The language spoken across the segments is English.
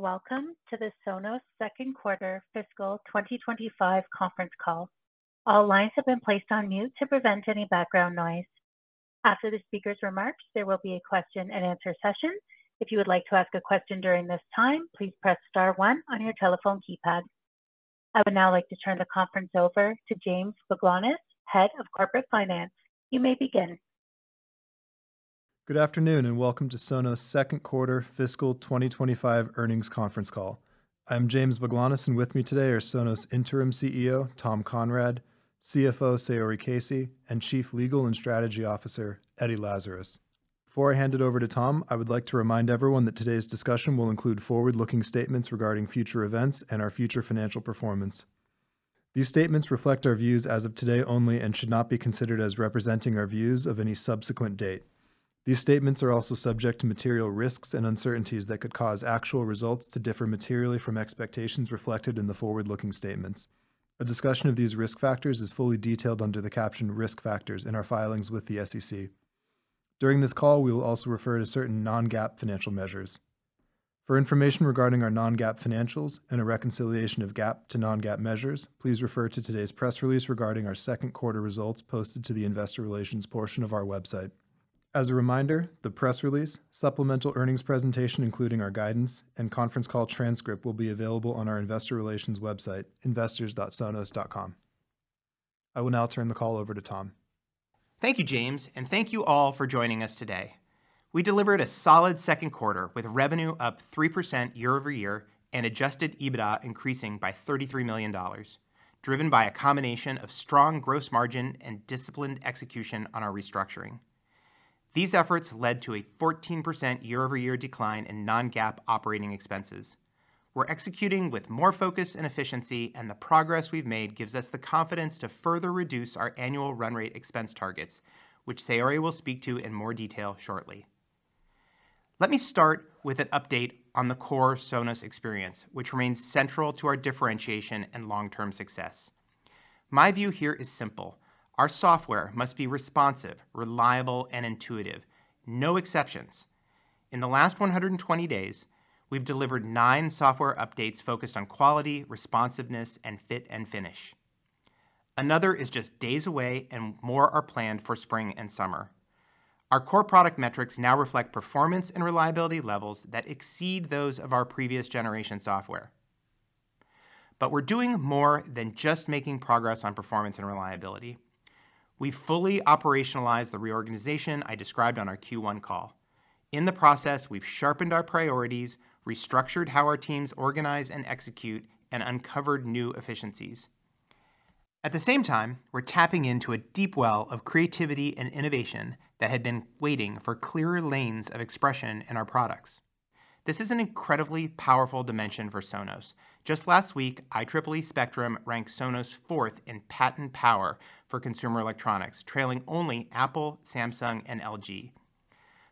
Hello, and welcome to the Sonos Second Quarter Fiscal 2025 conference call. All lines have been placed on mute to prevent any background noise. After the speaker's remarks, there will be a question-and-answer session. If you would like to ask a question during this time, please press star one on your telephone keypad. I would now like to turn the conference over to James Baglanis, Head of Corporate Finance. You may begin. Good afternoon, and welcome to Sonos Second Quarter Fiscal 2025 earnings conference call. I'm James Baglanis, and with me today are Sonos Interim CEO Tom Conrad, CFO Saori Casey, and Chief Legal and Strategy Officer Eddie Lazarus. Before I hand it over to Tom, I would like to remind everyone that today's discussion will include forward-looking statements regarding future events and our future financial performance. These statements reflect our views as of today only and should not be considered as representing our views of any subsequent date. These statements are also subject to material risks and uncertainties that could cause actual results to differ materially from expectations reflected in the forward-looking statements. A discussion of these risk factors is fully detailed under the captioned risk factors in our filings with the SEC. During this call, we will also refer to certain non-GAAP financial measures. For information regarding our non-GAAP financials and a reconciliation of GAAP to non-GAAP measures, please refer to today's press release regarding our second quarter results posted to the Investor Relations portion of our website. As a reminder, the press release, supplemental earnings presentation, including our guidance and conference call transcript, will be available on our Investor Relations website, investors.sonos.com. I will now turn the call over to Tom. Thank you, James, and thank you all for joining us today. We delivered a solid second quarter with revenue up 3% year-over-year and adjusted EBITDA increasing by $33 million, driven by a combination of strong gross margin and disciplined execution on our restructuring. These efforts led to a 14% year-over-year decline in non-GAAP operating expenses. We're executing with more focus and efficiency, and the progress we've made gives us the confidence to further reduce our annual run-rate expense targets, which Saori will speak to in more detail shortly. Let me start with an update on the core Sonos experience, which remains central to our differentiation and long-term success. My view here is simple: our software must be responsive, reliable, and intuitive. No exceptions. In the last 120 days, we've delivered nine software updates focused on quality, responsiveness, and fit and finish. Another is just days away, and more are planned for spring and summer. Our core product metrics now reflect performance and reliability levels that exceed those of our previous generation software. We are doing more than just making progress on performance and reliability. We fully operationalized the reorganization I described on our Q1 call. In the process, we have sharpened our priorities, restructured how our teams organize and execute, and uncovered new efficiencies. At the same time, we are tapping into a deep well of creativity and innovation that had been waiting for clearer lanes of expression in our products. This is an incredibly powerful dimension for Sonos. Just last week, IEEE Spectrum ranked Sonos fourth in patent power for consumer electronics, trailing only Apple, Samsung, and LG.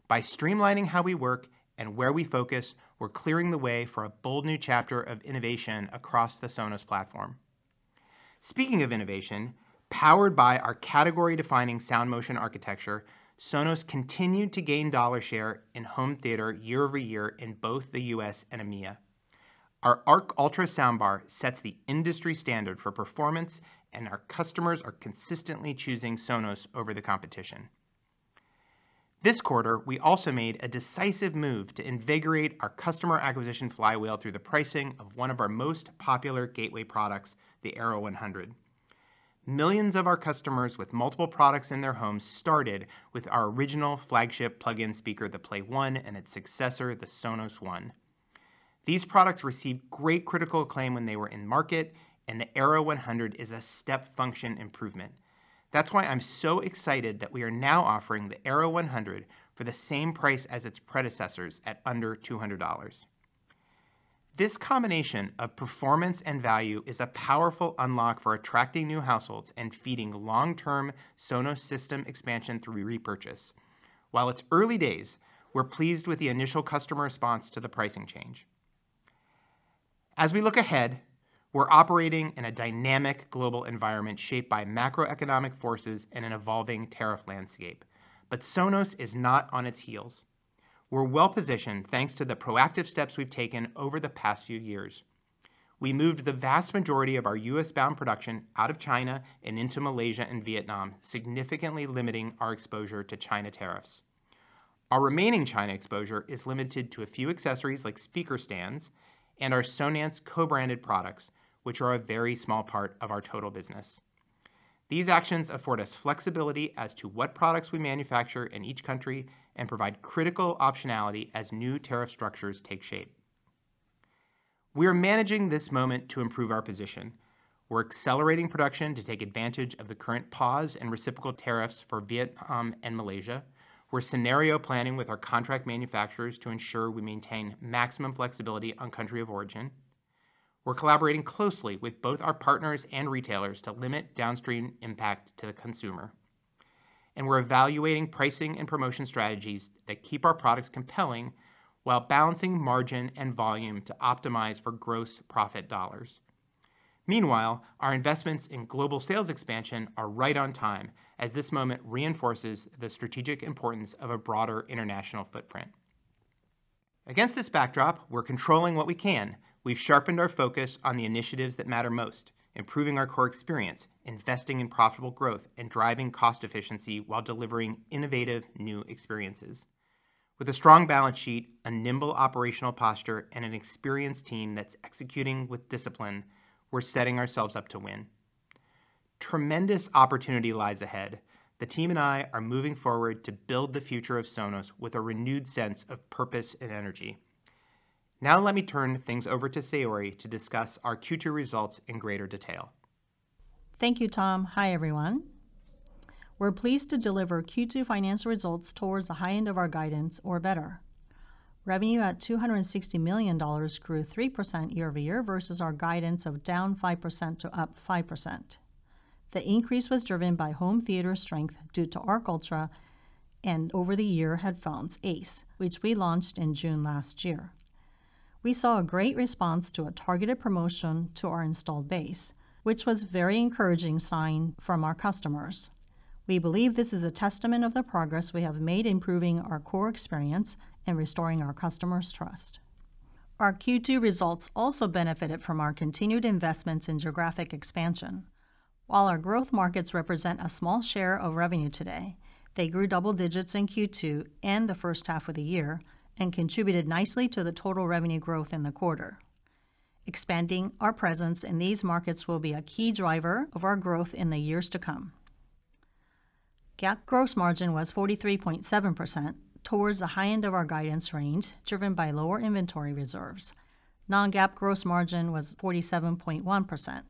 By streamlining how we work and where we focus, we are clearing the way for a bold new chapter of innovation across the Sonos platform. Speaking of innovation, powered by our category-defining Sound Motion architecture, Sonos continued to gain dollar share in home theater year over year in both the U.S. and EMEA. Our Arc Ultra soundbar sets the industry standard for performance, and our customers are consistently choosing Sonos over the competition. This quarter, we also made a decisive move to invigorate our customer acquisition flywheel through the pricing of one of our most popular gateway products, the Era 100. Millions of our customers with multiple products in their homes started with our original flagship plug-in speaker, the PLAY:1, and its successor, the Sonos One. These products received great critical acclaim when they were in market, and the Era 100 is a step function improvement. That is why I am so excited that we are now offering the Era 100 for the same price as its predecessors at under $200. This combination of performance and value is a powerful unlock for attracting new households and feeding long-term Sonos system expansion through repurchase. While it's early days, we're pleased with the initial customer response to the pricing change. As we look ahead, we're operating in a dynamic global environment shaped by macroeconomic forces and an evolving tariff landscape. Sonos is not on its heels. We're well positioned thanks to the proactive steps we've taken over the past few years. We moved the vast majority of our US-bound production out of China and into Malaysia and Vietnam, significantly limiting our exposure to China tariffs. Our remaining China exposure is limited to a few accessories like speaker stands and our Sonance co-branded products, which are a very small part of our total business. These actions afford us flexibility as to what products we manufacture in each country and provide critical optionality as new tariff structures take shape. We are managing this moment to improve our position. We're accelerating production to take advantage of the current pause in reciprocal tariffs for Vietnam and Malaysia. We're scenario planning with our contract manufacturers to ensure we maintain maximum flexibility on country of origin. We're collaborating closely with both our partners and retailers to limit downstream impact to the consumer. We're evaluating pricing and promotion strategies that keep our products compelling while balancing margin and volume to optimize for gross profit dollars. Meanwhile, our investments in global sales expansion are right on time as this moment reinforces the strategic importance of a broader international footprint. Against this backdrop, we're controlling what we can. We've sharpened our focus on the initiatives that matter most: improving our core experience, investing in profitable growth, and driving cost efficiency while delivering innovative new experiences. With a strong balance sheet, a nimble operational posture, and an experienced team that's executing with discipline, we're setting ourselves up to win. Tremendous opportunity lies ahead. The team and I are moving forward to build the future of Sonos with a renewed sense of purpose and energy. Now let me turn things over to Saori to discuss our Q2 results in greater detail. Thank you, Tom. Hi, everyone. We're pleased to deliver Q2 financial results towards the high end of our guidance, or better. Revenue at $260 million grew 3% year over year versus our guidance of down 5% to up 5%. The increase was driven by home theater strength due to Arc Ultra and over-the-air headphones Ace, which we launched in June last year. We saw a great response to a targeted promotion to our installed base, which was a very encouraging sign from our customers. We believe this is a testament of the progress we have made improving our core experience and restoring our customers' trust. Our Q2 results also benefited from our continued investments in geographic expansion. While our growth markets represent a small share of revenue today, they grew double digits in Q2 and the first half of the year and contributed nicely to the total revenue growth in the quarter. Expanding our presence in these markets will be a key driver of our growth in the years to come. GAAP gross margin was 43.7% towards the high end of our guidance range, driven by lower inventory reserves. Non-GAAP gross margin was 47.1%.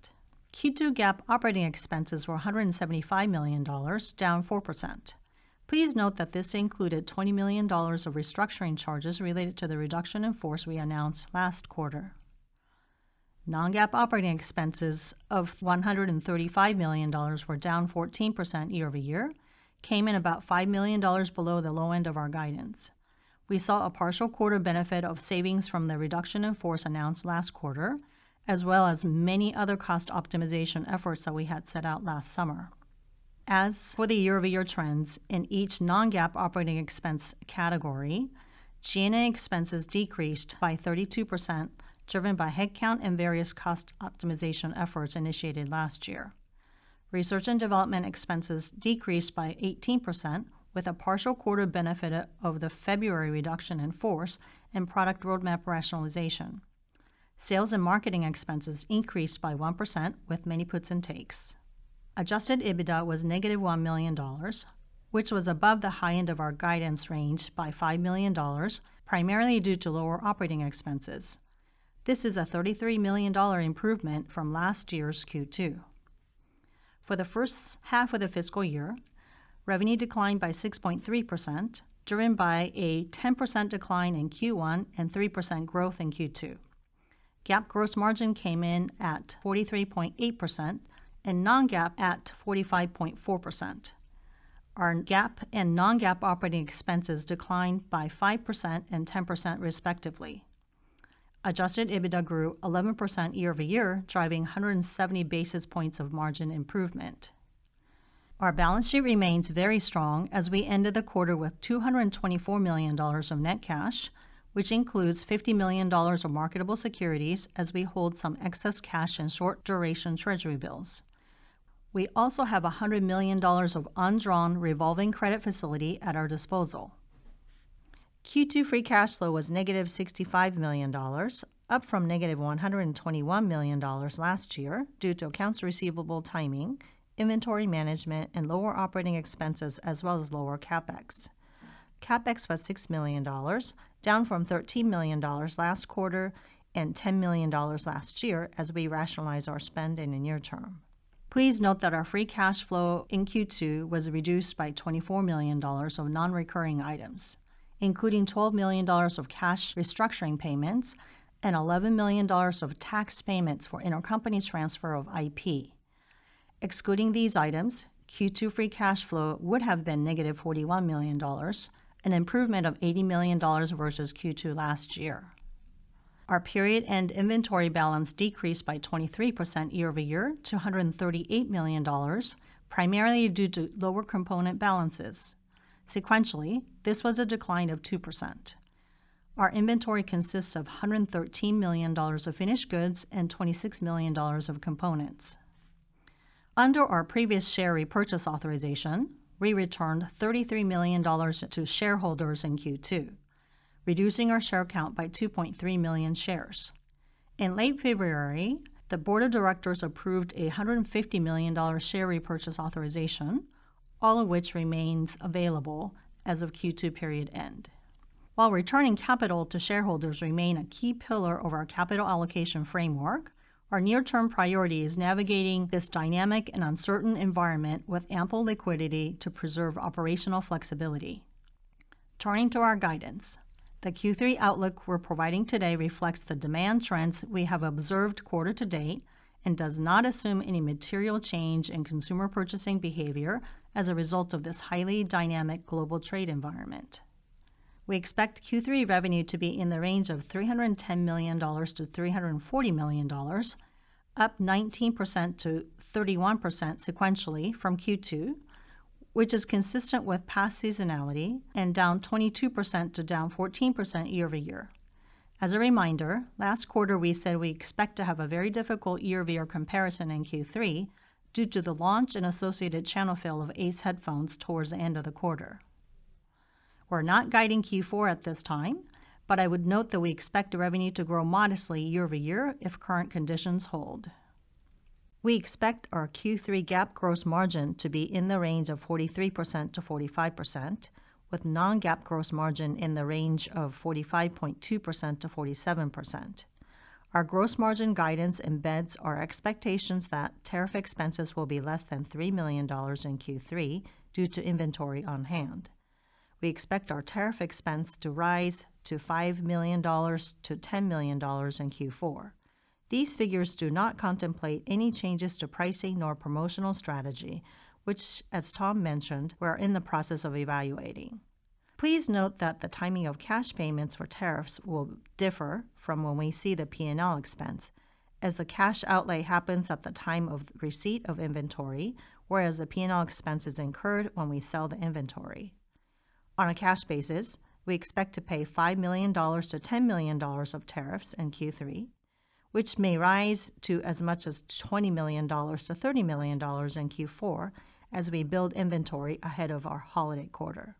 Q2 GAAP operating expenses were $175 million, down 4%. Please note that this included $20 million of restructuring charges related to the reduction in force we announced last quarter. Non-GAAP operating expenses of $135 million were down 14% year over year, came in about $5 million below the low-end of our guidance. We saw a partial quarter benefit of savings from the reduction in force announced last quarter, as well as many other cost optimization efforts that we had set out last summer. As for the year-over-year trends in each non-GAAP operating expense category, G&A expenses decreased by 32%, driven by headcount and various cost optimization efforts initiated last year. Research and development expenses decreased by 18%, with a partial quarter benefit of the February reduction in force and product roadmap rationalization. Sales and marketing expenses increased by 1%, with many puts and takes. Adjusted EBITDA was negative $1 million, which was above the high end of our guidance range by $5 million, primarily due to lower operating expenses. This is a $33 million improvement from last year's Q2. For the first half of the fiscal year, revenue declined by 6.3%, driven by a 10% decline in Q1 and 3% growth in Q2. GAAP gross margin came in at 43.8% and non-GAAP at 45.4%. Our GAAP and non-GAAP operating expenses declined by 5% and 10%, respectively. Adjusted EBITDA grew 11% year over year, driving 170 basis points of margin improvement. Our balance sheet remains very strong as we ended the quarter with $224 million of net cash, which includes $50 million of marketable securities as we hold some excess cash and short-duration treasury bills. We also have $100 million of undrawn revolving credit facility at our disposal. Q2 free cash flow was negative $65 million, up from negative $121 million last year due to accounts receivable timing, inventory management, and lower operating expenses, as well as lower CapEx. CapEx was $6 million, down from $13 million last quarter and $10 million last year as we rationalize our spend in the near term. Please note that our free cash flow in Q2 was reduced by $24 million of non-recurring items, including $12 million of cash restructuring payments and $11 million of tax payments for intercompany transfer of IP. Excluding these items, Q2 free cash flow would have been negative $41 million, an improvement of $80 million versus Q2 last year. Our period-end inventory balance decreased by 23% year-over-year to $138 million, primarily due to lower component balances. Sequentially, this was a decline of 2%. Our inventory consists of $113 million of finished goods and $26 million of components. Under our previous share repurchase authorization, we returned $33 million to shareholders in Q2, reducing our share count by 2.3 million shares. In late February, the board of directors approved a $150 million share repurchase authorization, all of which remains available as of Q2 period end. While returning capital to shareholders remains a key pillar of our capital allocation framework, our near-term priority is navigating this dynamic and uncertain environment with ample liquidity to preserve operational flexibility. Turning to our guidance, the Q3 outlook we're providing today reflects the demand trends we have observed quarter to date and does not assume any material change in consumer purchasing behavior as a result of this highly dynamic global trade environment. We expect Q3 revenue to be in the range of $310 million- $340 million, up 19%-31% sequentially from Q2, which is consistent with past seasonality and down 22% to down 14% year-over-year. As a reminder, last quarter we said we expect to have a very difficult year-over-year comparison in Q3 due to the launch and associated channel fill of Ace headphones towards the end of the quarter. We're not guiding Q4 at this time, but I would note that we expect revenue to grow modestly year-over-year if current conditions hold. We expect our Q3 GAAP gross margin to be in the range of 43%-45%, with non-GAAP gross margin in the range of 45.2%-47%. Our gross margin guidance embeds our expectations that tariff expenses will be less than $3 million in Q3 due to inventory on hand. We expect our tariff expense to rise to $5 million-$10 million in Q4. These figures do not contemplate any changes to pricing nor promotional strategy, which, as Tom mentioned, we are in the process of evaluating. Please note that the timing of cash payments for tariffs will differ from when we see the P&L expense, as the cash outlay happens at the time of receipt of inventory, whereas the P&L expense is incurred when we sell the inventory. On a cash basis, we expect to pay $5 million-$10 million of tariffs in Q3, which may rise to as much as $20 million-$30 million in Q4 as we build inventory ahead of our holiday quarter.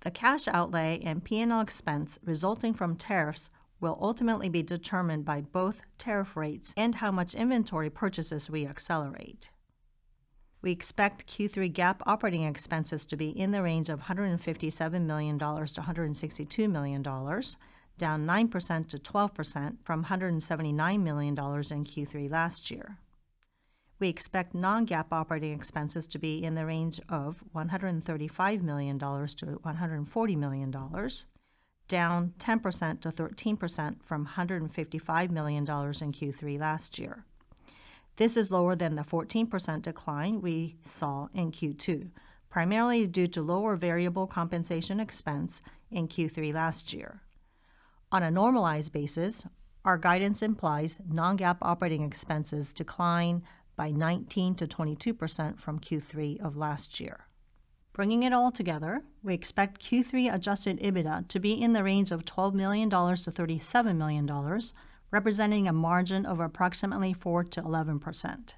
The cash outlay and P&L expense resulting from tariffs will ultimately be determined by both tariff rates and how much inventory purchases we accelerate. We expect Q3 GAAP operating expenses to be in the range of $157 million-$162 million, down 9%-12% from $179 million in Q3 last year. We expect non-GAAP operating expenses to be in the range of $135 million-$140 million, down 10%-13% from $155 million in Q3 last year. This is lower than the 14% decline we saw in Q2, primarily due to lower variable compensation expense in Q3 last year. On a normalized basis, our guidance implies non-GAAP operating expenses decline by 19%-22% from Q3 of last year. Bringing it all together, we expect Q3 adjusted EBITDA to be in the range of $12 million-$37 million, representing a margin of approximately 4%-11%.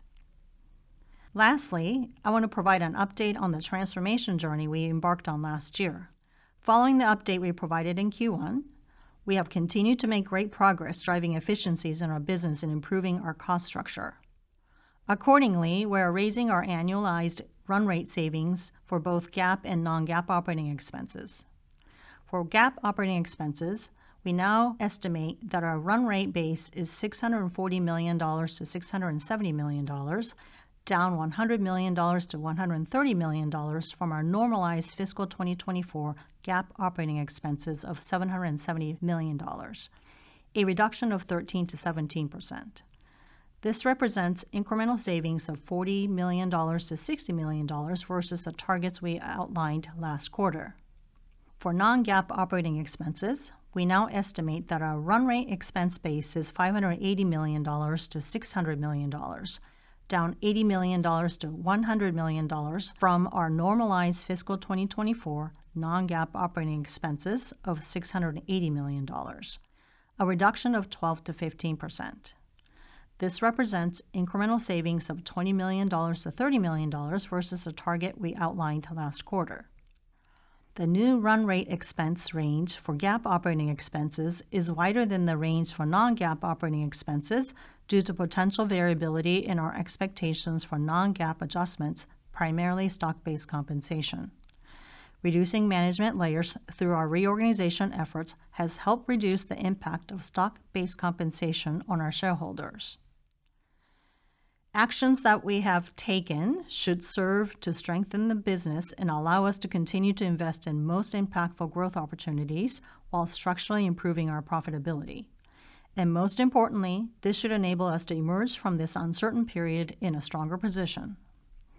Lastly, I want to provide an update on the transformation journey we embarked on last year. Following the update we provided in Q1, we have continued to make great progress, driving efficiencies in our business and improving our cost structure. Accordingly, we are raising our annualized run rate savings for both GAAP and non-GAAP operating expenses. For GAAP operating expenses, we now estimate that our run rate base is $640 million-$670 million, down $100 million-$130 million from our normalized fiscal 2024 GAAP operating expenses of $770 million, a reduction of 13%-17%. This represents incremental savings of $40 million-$60 million versus the targets we outlined last quarter. For non-GAAP operating expenses, we now estimate that our run rate expense base is $580 million-$600 million, down $80 million-$100 million from our normalized fiscal 2024 non-GAAP operating expenses of $680 million, a reduction of 12%-15%. This represents incremental savings of $20 million-$30 million versus the target we outlined last quarter. The new run rate expense range for GAAP operating expenses is wider than the range for non-GAAP operating expenses due to potential variability in our expectations for non-GAAP adjustments, primarily stock-based compensation. Reducing management layers through our reorganization efforts has helped reduce the impact of stock-based compensation on our shareholders. Actions that we have taken should serve to strengthen the business and allow us to continue to invest in most impactful growth opportunities while structurally improving our profitability. Most importantly, this should enable us to emerge from this uncertain period in a stronger position.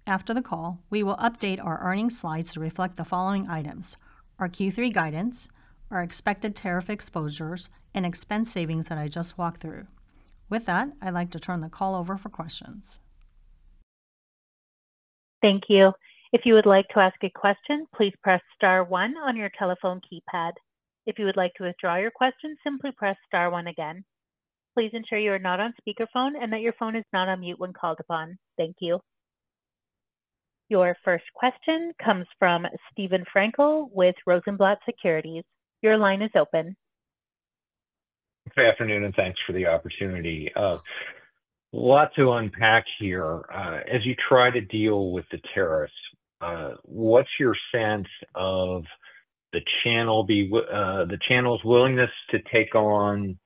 After the call, we will update our earnings slides to reflect the following items: our Q3 guidance, our expected tariff exposures, and expense savings that I just walked through. With that, I'd like to turn the call over for questions. Thank you. If you would like to ask a question, please press star one on your telephone keypad. If you would like to withdraw your question, simply press star one again. Please ensure you are not on speakerphone and that your phone is not on mute when called upon. Thank you. Your first question comes from Steve Frankel with Rosenblatt Securities. Your line is open. Good afternoon and thanks for the opportunity. A lot to unpack here. As you try to deal with the tariffs, what's your sense of the channel's willingness to take on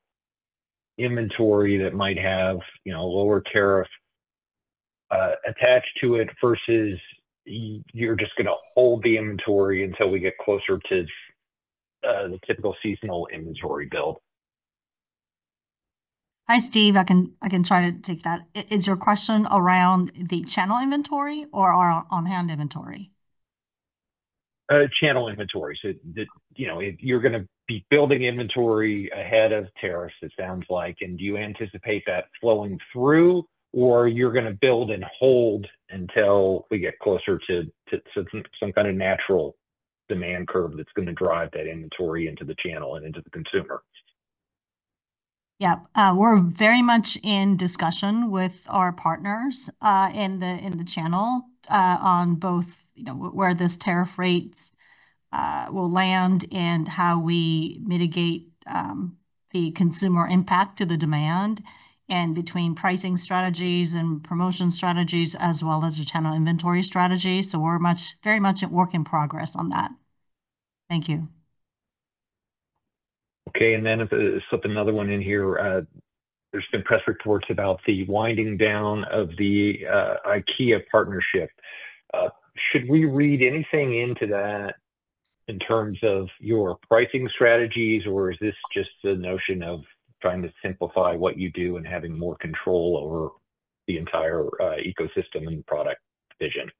inventory that might have lower tariffs attached to it versus you're just going to hold the inventory until we get closer to the typical seasonal inventory build? Hi, Steve. I can try to take that. Is your question around the channel inventory or our on-hand inventory? Channel inventory. You're going to be building inventory ahead of tariffs, it sounds like. Do you anticipate that flowing through, or are you going to build and hold until we get closer to some kind of natural demand curve that's going to drive that inventory into the channel and into the consumer? Yep. We're very much in discussion with our partners in the channel on both where this tariff rates will land and how we mitigate the consumer impact to the demand and between pricing strategies and promotion strategies, as well as the channel inventory strategy. We're very much at work in progress on that. Thank you. Okay. I'm going to slip another one in here. There have been press reports about the winding down of the IKEA partnership. Should we read anything into that in terms of your pricing strategies, or is this just the notion of trying to simplify what you do and having more control over the entire ecosystem and product vision?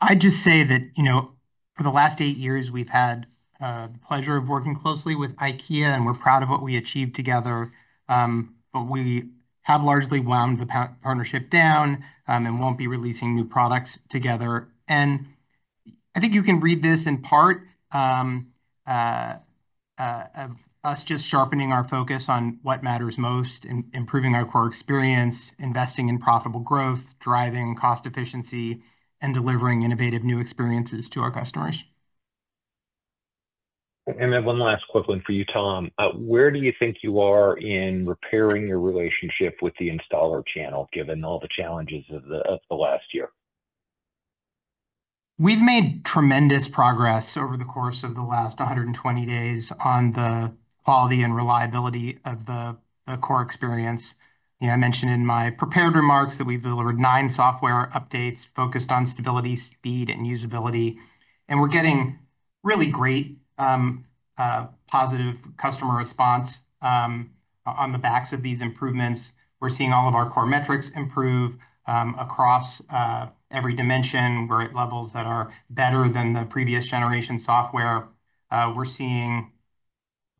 I'd just say that for the last eight years, we've had the pleasure of working closely with IKEA, and we're proud of what we achieved together. We have largely wound the partnership down and won't be releasing new products together. I think you can read this in part as us just sharpening our focus on what matters most in improving our core experience, investing in profitable growth, driving cost efficiency, and delivering innovative new experiences to our customers. One last quick one for you, Tom. Where do you think you are in repairing your relationship with the installer channel, given all the challenges of the last year? We've made tremendous progress over the course of the last 120 days on the quality and reliability of the core experience. I mentioned in my prepared remarks that we've delivered nine software updates focused on stability, speed, and usability. We're getting really great positive customer response on the backs of these improvements. We're seeing all of our core metrics improve across every dimension. We're at levels that are better than the previous generation software. We're seeing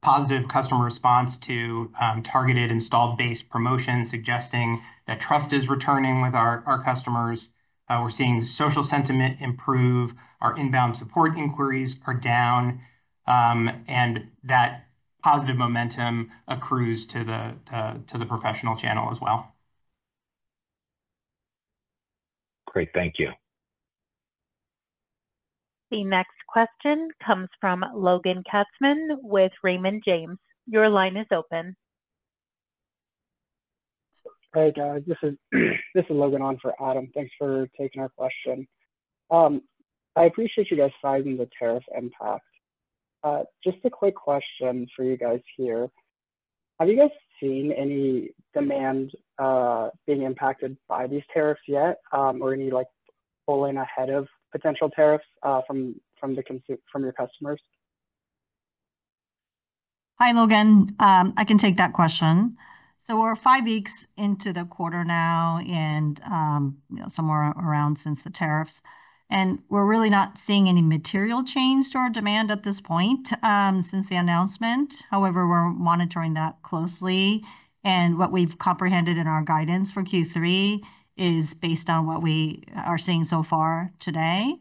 positive customer response to targeted install-based promotion, suggesting that trust is returning with our customers. We're seeing social sentiment improve. Our inbound support inquiries are down, and that positive momentum accrues to the professional channel as well. Great. Thank you. The next question comes from Logan Katzman with Raymond James. Your line is open. Hey, guys. This is Logan on for Adam. Thanks for taking our question. I appreciate you guys surviving the tariff impact. Just a quick question for you guys here. Have you guys seen any demand being impacted by these tariffs yet or any pulling ahead of potential tariffs from your customers? Hi, Logan. I can take that question. We are five weeks into the quarter now and somewhere around since the tariffs. We are really not seeing any material change to our demand at this point since the announcement. However, we are monitoring that closely. What we have comprehended in our guidance for Q3 is based on what we are seeing so far today,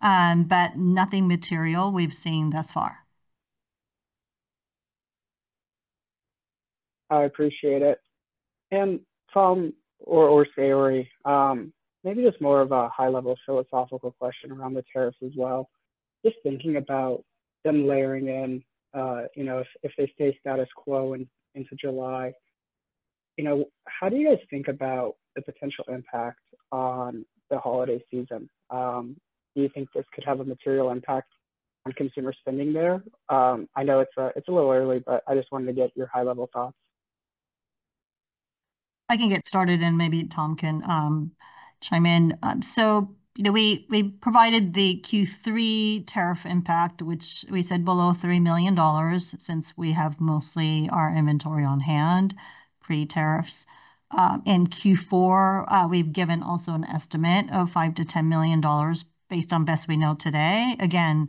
but nothing material we have seen thus far. I appreciate it. Tom or Saori, maybe just more of a high-level philosophical question around the tariffs as well. Just thinking about them layering in if they stay status quo into July, how do you guys think about the potential impact on the holiday season? Do you think this could have a material impact on consumer spending there? I know it's a little early, but I just wanted to get your high-level thoughts. I can get started, and maybe Tom can chime in. We provided the Q3 tariff impact, which we said below $3 million since we have mostly our inventory on hand pre-tariffs. In Q4, we've given also an estimate of $5-$10 million based on best we know today. Again,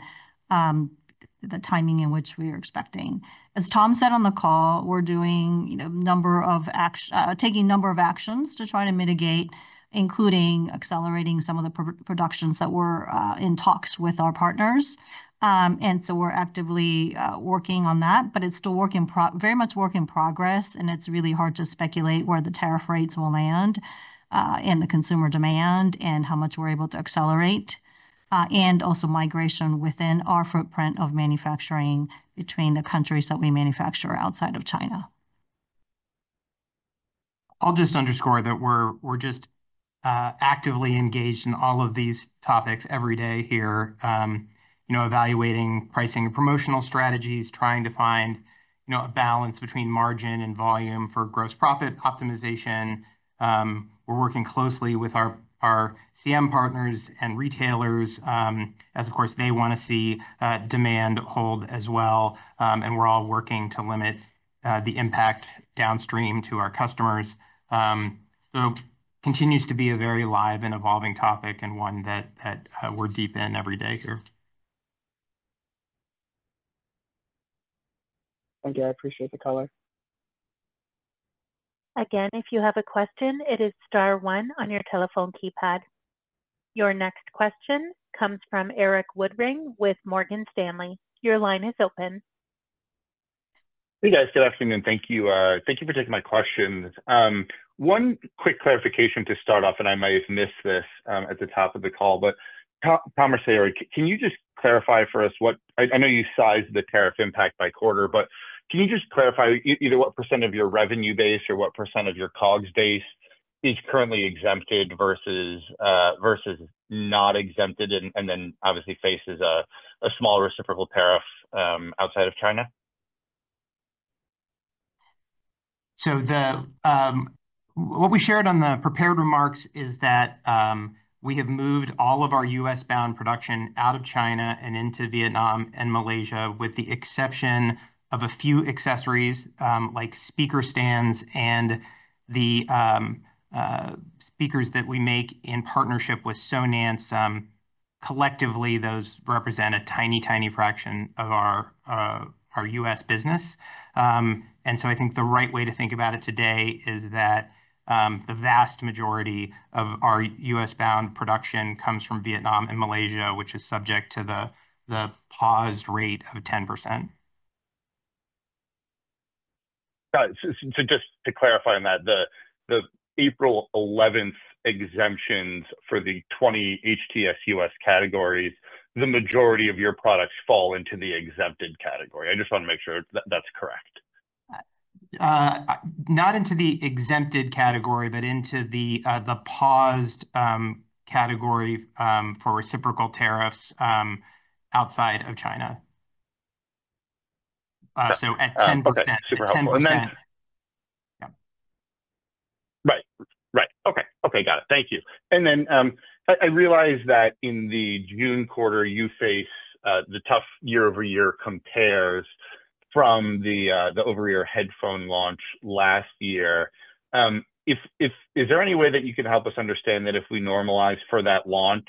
the timing in which we are expecting. As Tom said on the call, we're doing a number of actions to try to mitigate, including accelerating some of the productions that we're in talks with our partners. We're actively working on that, but it's still very much work in progress, and it's really hard to speculate where the tariff rates will land and the consumer demand and how much we're able to accelerate and also migration within our footprint of manufacturing between the countries that we manufacture outside of China. I'll just underscore that we're just actively engaged in all of these topics every day here, evaluating pricing and promotional strategies, trying to find a balance between margin and volume for gross profit optimization. We're working closely with our CM partners and retailers as, of course, they want to see demand hold as well. We're all working to limit the impact downstream to our customers. It continues to be a very live and evolving topic and one that we're deep in every day here. Thank you. I appreciate the color. Again, if you have a question, it is star one on your telephone keypad. Your next question comes from Erik Woodring with Morgan Stanley. Your line is open. Hey, guys. Good afternoon. Thank you. Thank you for taking my questions. One quick clarification to start off, and I might have missed this at the top of the call, but Tom or Saori, can you just clarify for us what I know you sized the tariff impact by quarter, but can you just clarify either what % of your revenue base or what % of your COGS base is currently exempted versus not exempted and then obviously faces a small reciprocal tariff outside of China? What we shared on the prepared remarks is that we have moved all of our U.S.-bound production out of China and into Vietnam and Malaysia with the exception of a few accessories like speaker stands and the speakers that we make in partnership with Sonance. Collectively, those represent a tiny, tiny fraction of our U.S. business. I think the right way to think about it today is that the vast majority of our U.S.-bound production comes from Vietnam and Malaysia, which is subject to the paused rate of 10%. Just to clarify on that, the April 11th exemptions for the 20 HTS U.S. categories, the majority of your products fall into the exempted category. I just want to make sure that's correct. Not into the exempted category, but into the paused category for reciprocal tariffs outside of China. At 10%. Right. Right. Okay. Okay. Got it. Thank you. I realize that in the June quarter, you face the tough year-over-year compares from the over-the-air headphone launch last year. Is there any way that you can help us understand that if we normalize for that launch,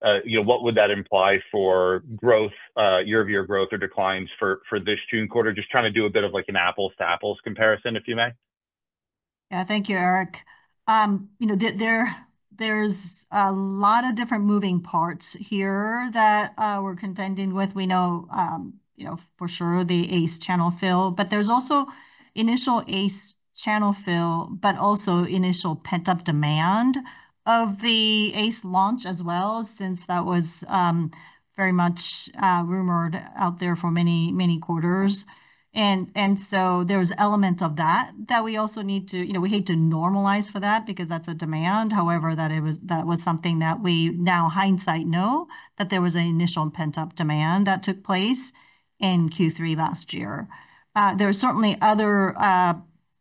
what would that imply for year-over-year growth or declines for this June quarter? Just trying to do a bit of an apples-to-apples comparison, if you may. Yeah. Thank you, Erik. There are a lot of different moving parts here that we are contending with. We know for sure the Ace channel fill, but there is also initial Ace channel fill, but also initial pent-up demand of the Ace launch as well, since that was very much rumored out there for many quarters. There are elements of that that we also need to—we hate to normalize for that because that is a demand. However, that was something that we now, hindsight, know that there was an initial pent-up demand that took place in Q3 last year. There are certainly other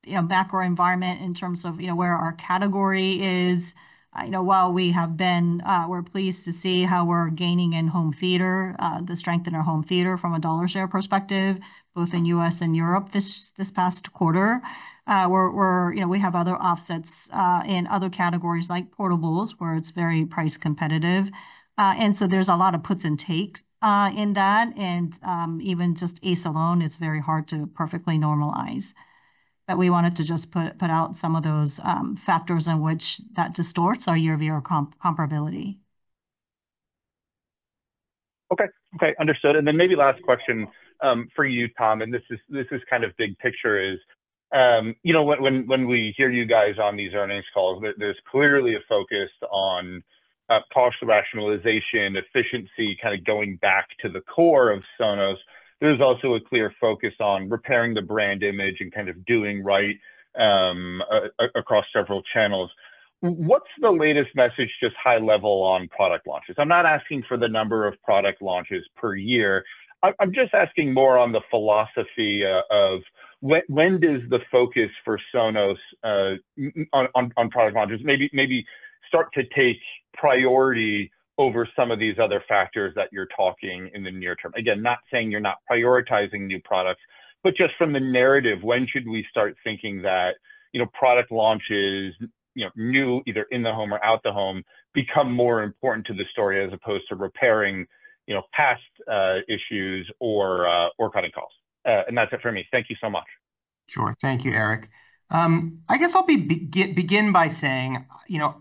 macro environments in terms of where our category is. While we have been—we're pleased to see how we're gaining in home theater, the strength in our home theater from a dollar share perspective, both in U.S. and Europe this past quarter. We have other offsets in other categories like portables, where it's very price competitive. There is a lot of puts and takes in that. Even just Ace alone, it's very hard to perfectly normalize. We wanted to just put out some of those factors in which that distorts our year-over-year comparability. Okay. Okay. Understood. Maybe last question for you, Tom, and this is kind of big picture, is when we hear you guys on these earnings calls, there's clearly a focus on cost rationalization, efficiency, kind of going back to the core of Sonos. There's also a clear focus on repairing the brand image and kind of doing right across several channels. What's the latest message, just high level on product launches? I'm not asking for the number of product launches per year. I'm just asking more on the philosophy of when does the focus for Sonos on product launches maybe start to take priority over some of these other factors that you're talking in the near term? Again, not saying you're not prioritizing new products, but just from the narrative, when should we start thinking that product launches, new either in the home or out the home, become more important to the story as opposed to repairing past issues or cutting costs? That's it for me. Thank you so much. Sure. Thank you, Erik. I guess I'll begin by saying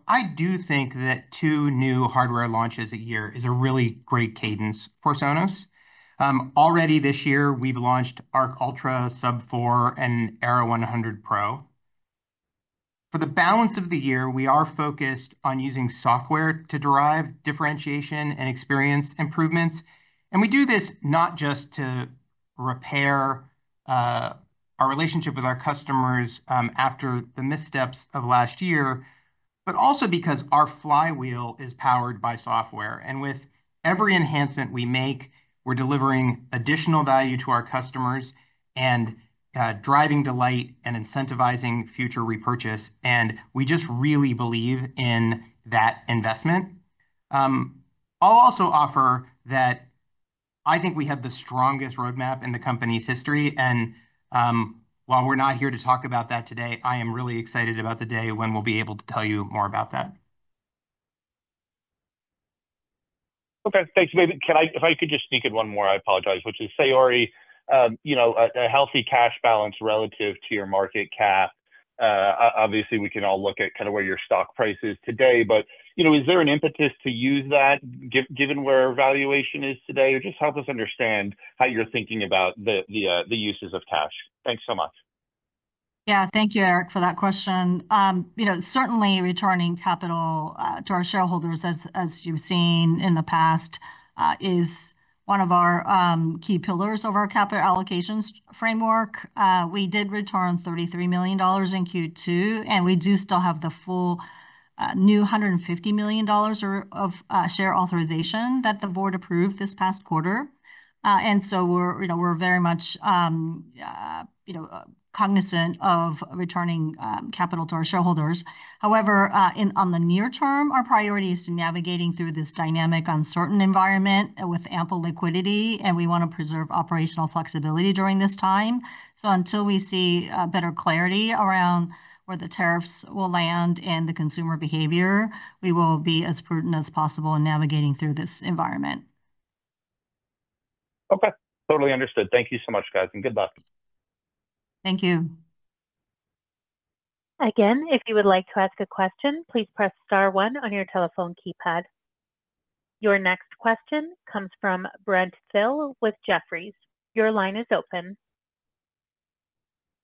I do think that two new hardware launches a year is a really great cadence for Sonos. Already this year, we've launched Arc Ultra, Sub 4, and Era 100 Pro. For the balance of the year, we are focused on using software to derive differentiation and experience improvements. We do this not just to repair our relationship with our customers after the missteps of last year, but also because our flywheel is powered by software. With every enhancement we make, we're delivering additional value to our customers and driving delight and incentivizing future repurchase. We just really believe in that investment. I'll also offer that I think we have the strongest roadmap in the company's history. While we're not here to talk about that today, I am really excited about the day when we'll be able to tell you more about that. Okay. Thanks. Maybe if I could just sneak in one more, I apologize, which is, Saori, a healthy cash balance relative to your market cap. Obviously, we can all look at kind of where your stock price is today, but is there an impetus to use that given where our valuation is today? Just help us understand how you're thinking about the uses of cash. Thanks so much. Yeah. Thank you, Erik, for that question. Certainly, returning capital to our shareholders, as you've seen in the past, is one of our key pillars of our capital allocations framework. We did return $33 million in Q2, and we do still have the full new $150 million of share authorization that the board approved this past quarter. We are very much cognizant of returning capital to our shareholders. However, in the near term, our priority is navigating through this dynamic, uncertain environment with ample liquidity, and we want to preserve operational flexibility during this time. Until we see better clarity around where the tariffs will land and the consumer behavior, we will be as prudent as possible in navigating through this environment. Okay. Totally understood. Thank you so much, guys. Good luck. Thank you. Again, if you would like to ask a question, please press star one on your telephone keypad. Your next question comes from Brent Thill with Jefferies. Your line is open.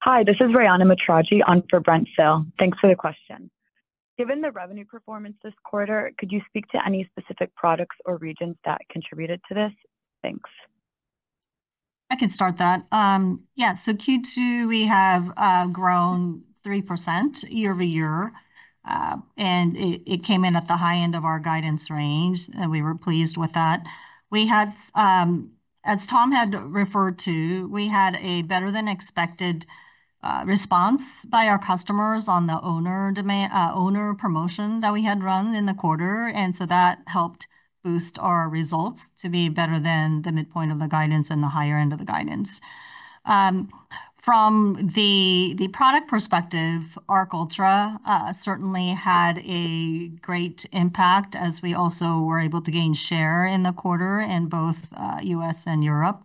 Hi, this is Rayyana Matraji on for Brent Thill. Thanks for the question. Given the revenue performance this quarter, could you speak to any specific products or regions that contributed to this? Thanks. I can start that. Yeah. Q2, we have grown 3% year-over-year, and it came in at the high end of our guidance range, and we were pleased with that. As Tom had referred to, we had a better-than-expected response by our customers on the owner promotion that we had run in the quarter. That helped boost our results to be better than the midpoint of the guidance and the higher end of the guidance. From the product perspective, Arc Ultra certainly had a great impact as we also were able to gain share in the quarter in both U.S. and Europe.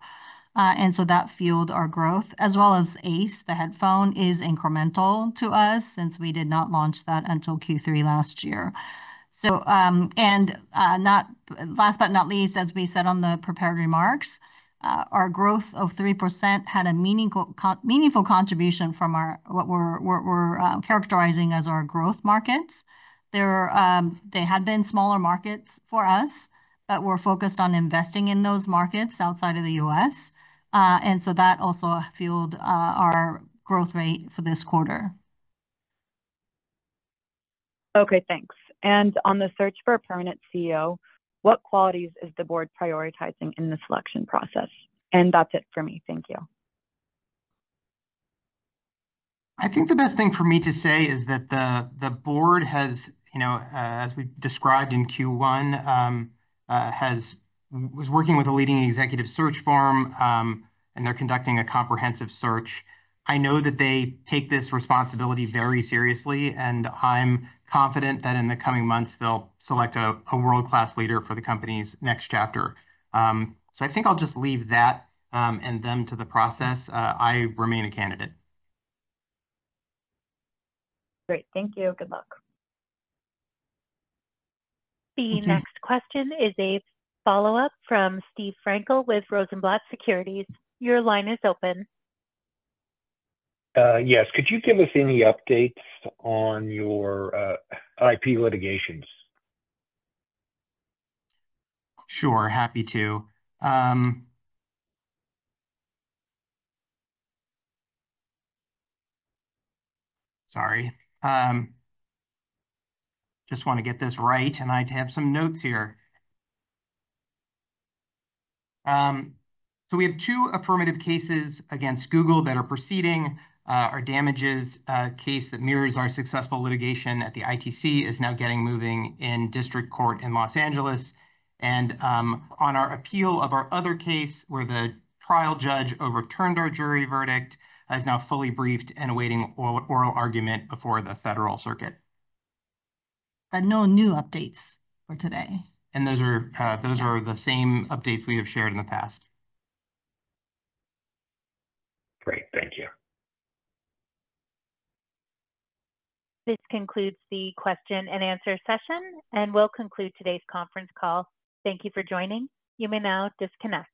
That fueled our growth, as well as Ace, the headphone, is incremental to us since we did not launch that until Q3 last year. Last but not least, as we said on the prepared remarks, our growth of 3% had a meaningful contribution from what we're characterizing as our growth markets. They had been smaller markets for us, but we're focused on investing in those markets outside of the U.S. That also fueled our growth rate for this quarter. Okay. Thanks. On the search for a permanent CEO, what qualities is the board prioritizing in the selection process? That's it for me. Thank you. I think the best thing for me to say is that the board, as we've described in Q1, was working with a leading executive search firm, and they're conducting a comprehensive search. I know that they take this responsibility very seriously, and I'm confident that in the coming months, they'll select a world-class leader for the company's next chapter. I think I'll just leave that and them to the process. I remain a candidate. Great. Thank you. Good luck. The next question is a follow-up from Steve Frankel with Rosenblatt Securities. Your line is open. Yes. Could you give us any updates on your IP litigations? Sure. Happy to. Sorry. Just want to get this right, and I have some notes here. We have two affirmative cases against Google that are proceeding. Our damages case that mirrors our successful litigation at the ITC is now getting moving in district court in Los Angeles. On our appeal of our other case where the trial judge overturned our jury verdict, it is now fully briefed and awaiting oral argument before the Federal circuit. No new updates for today. Those are the same updates we have shared in the past. Great. Thank you. This concludes the question-and-answer session, and we will conclude today's conference call. Thank you for joining. You may now disconnect.